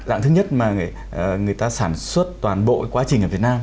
dạng thứ nhất mà người ta sản xuất toàn bộ quá trình ở việt nam